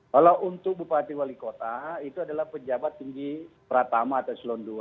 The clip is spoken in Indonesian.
kalau untuk bupati wali kota itu adalah pejabat tinggi pratama atau selon dua